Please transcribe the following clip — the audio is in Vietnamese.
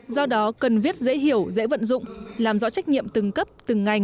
do đó cần viết dễ hiểu dễ vận dụng làm rõ trách nhiệm từng cấp từng ngành